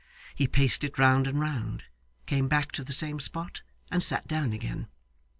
He paced it round and round, came back to the same spot, and sat down again.